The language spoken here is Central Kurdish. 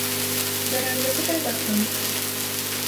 گەراجەکە دادەخەم.